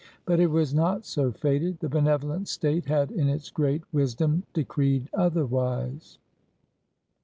But it was not so fated; the benevolent State had in its great wisdom decreed otherwise.